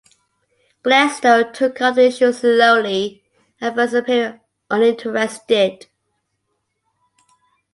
Gladstone took up the issue slowly, at first appearing uninterested.